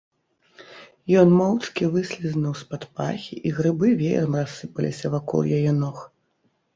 Ён моўчкі выслізнуў з-пад пахі, і грыбы веерам рассыпаліся вакол яе ног.